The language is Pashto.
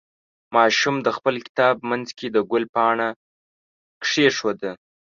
ماشوم د خپل کتاب منځ کې د ګل پاڼه کېښوده.